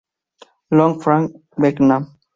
Long, Frank Belknap.